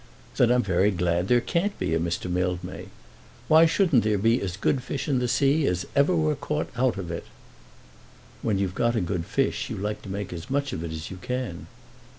"Then I'm very glad that there can't be a Mr. Mildmay. Why shouldn't there be as good fish in the sea as ever were caught out of it?" "When you've got a good fish you like to make as much of it as you can."